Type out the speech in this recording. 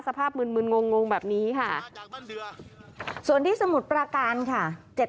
สภาพมึนมึนงงงงแบบนี้ค่ะส่วนที่สมุดปราการค่ะเจ็ด